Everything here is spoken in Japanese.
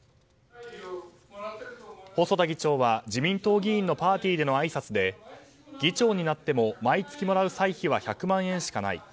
細田議長は自民党議員のパーティーのあいさつで議長になっても毎月もらう歳費は１００万円しかない。